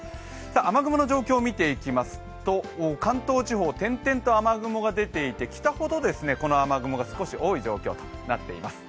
雨雲の状況を見ていきますと関東地方、点々と雨雲が出ていて北ほどこの雨雲が少し多い状況となっています。